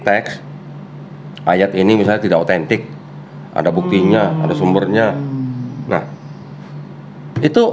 teks ayat ini misalnya tidak otentik ada buktinya ada sumbernya nah itu